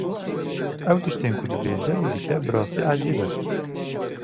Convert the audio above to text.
Ew, tiştên ku dibêje û dike bi rastî ecêb e.